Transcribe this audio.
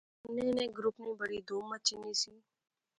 انیں نے گروپ نی بڑی دھوم مچی نی سی